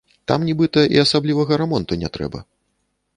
Там, нібыта, і асаблівага рамонту не трэба.